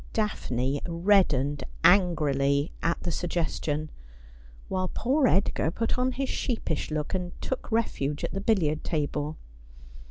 Daphne reddened angrily at the suggestion ; while poor Edgar put on his sheepish look, and took refuge at the billiard table.